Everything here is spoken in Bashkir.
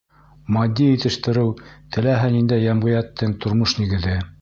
Матди етештереү — теләһә ниндәй йәмғиәттең тормош нигеҙе.